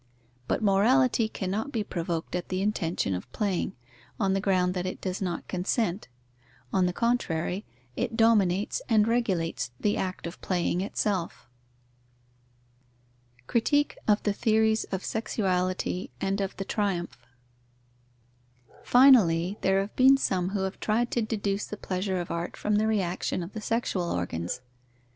But morality cannot be provoked at the intention of playing, on the ground that it does not consent; on the contrary, it dominates and regulates the act of playing itself. Critique of the theories of sexuality and of the triumph. Finally, there have been some who have tried to deduce the pleasure of art from the reaction of the sexual organs.